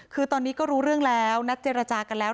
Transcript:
คือตอนนี้ก็รู้เรื่องแล้วนัดเจรจากันแล้ว